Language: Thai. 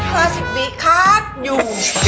เกียรติ